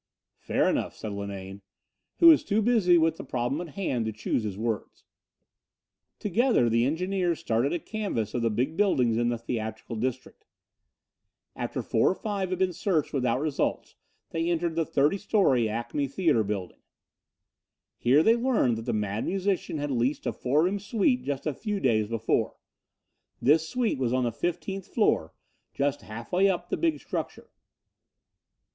"Fair enough," said Linane, who was too busy with the problem at hand to choose his words. Together the engineers started a canvass of the big buildings in the theatrical district. After four or five had been searched without result they entered the 30 story Acme Theater building. Here they learned that the Mad Musician had leased a four room suite just a few days before. This suite was on the fifteenth floor, just half way up in the big structure.